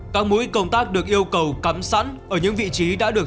các mũi công tác được yêu cầu cắm sẵn ở những vị trí đã được